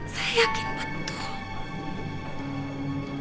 saya yakin betul